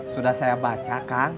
sudah saya baca kang